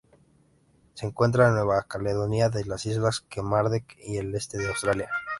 Se encuentran en Nueva Caledonia, las Islas Kermadec y el este de Australia.